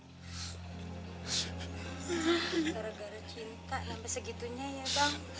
gara gara cinta sampai segitunya ya bang